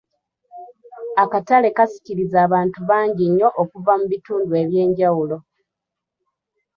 Akatale kasikiriza abantu bangi nnyo okuva mu bitundu eby'enjawulo.